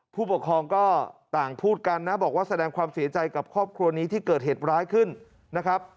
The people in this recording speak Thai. ผู้ปกครองก็ต่างพูดกันนะบอกว่าแสดงความเสียใจกับครอบครัวนี้ที่เกิดเหตุร้ายขึ้นนะครับ